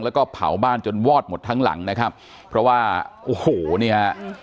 แล้วก็เผาบ้านจนวอดหมดทั้งหลังนะครับเพราะว่าโอ้โหเนี่ย